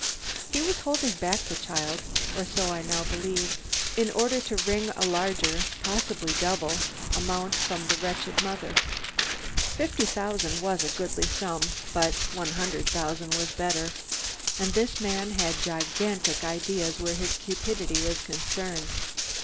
He was holding back the child, or so I now believed, in order to wring a larger, possibly a double, amount from the wretched mother. Fifty thousand was a goodly sum, but one hundred thousand was better; and this man had gigantic ideas where his cupidity was concerned.